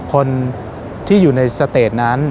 คนที่อยู่ในสเตจนั้น